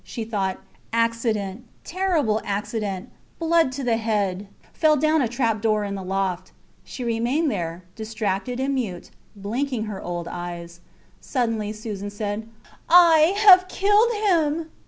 She thought: accident terrible accident blood to the head fell down a trap door in the loft. ... She remained there, distracted and mute, blinking her old eyes. Suddenly, Susan said I have killed him.